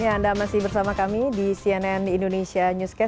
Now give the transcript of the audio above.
ya anda masih bersama kami di cnn indonesia newscast